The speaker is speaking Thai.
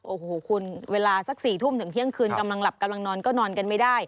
โอ้โหคุณเวลาสัก๔ทุ่มถึงเที่ยงคืนกำลังหลับกำลังนอนก็นอนกันไม่ได้